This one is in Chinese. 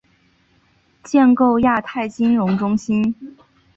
建构亚太金融中心